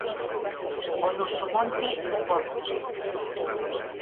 O noso monte importa.